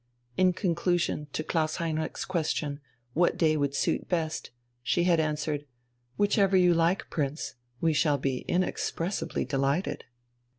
In conclusion, to Klaus Heinrich's question, what day would suit best, she had answered: "Whichever you like, Prince, we shall be inexpressibly delighted."